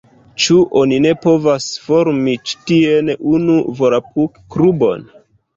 Ĉu oni ne povas formi ĉi tien unu volapuk-klubon?